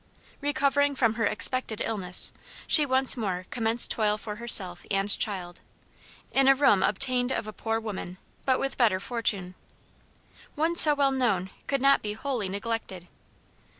Recovering from her expected illness, she once more commenced toil for herself and child, in a room obtained of a poor woman, but with better fortune. One so well known would not be wholly neglected.